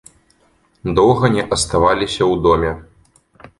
Доўга не аставаліся ў доме.